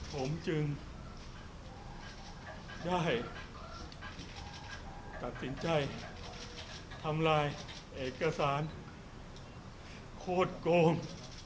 ผมจึงได้ตัดสินใจทำลายเอกสารโคตรโกง